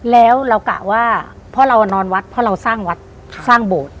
แล้วเรากะว่าเพราะเรานอนวัดเพราะเราสร้างวัดสร้างโบสถ์